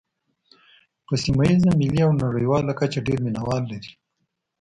په سیمه ییزه، ملي او نړیواله کچه ډېر مینوال لري.